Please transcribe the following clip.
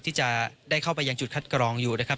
ที่จะได้เข้าไปยังจุดคัดกรองอยู่นะครับ